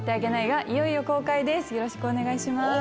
よろしくお願いします。